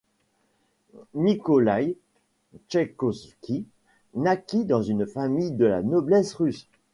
Nikolaï Tchaïkovski naquit dans une famille de la noblesse russe.